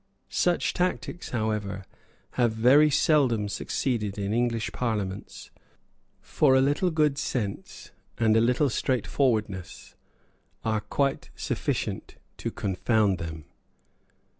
Such tactics, however, have very seldom succeeded in English parliaments; for a little good sense and a little straightforwardness are quite sufficient to confound them.